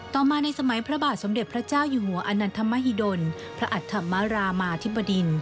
ต่อมาในสมัยพระบาทสมเด็จพระเจ้าอยู่หัวอนันทมหิดลพระอัตธรรมรามาธิบดิน